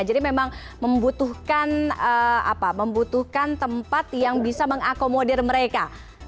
jadi memang membutuhkan tempat yang bisa mengakomodir mereka